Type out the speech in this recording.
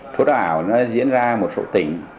thuốc đất ảo nó diễn ra một số tỉnh